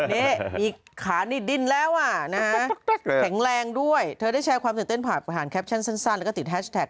นี่มีขานี่ดินแล้วอ่ะนะฮะแข็งแรงด้วยเธอได้แชร์ความตื่นเต้นผ่านแคปชั่นสั้นแล้วก็ติดแฮชแท็ก